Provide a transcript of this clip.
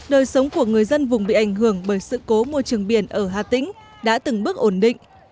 đời sống của người dân vùng bị ảnh hưởng bởi sự cố môi trường biển ở hà tĩnh đã từng bước ổn định